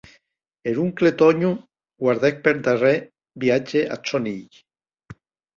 Er oncle Tònho guardèc per darrèr viatge ath sòn hilh.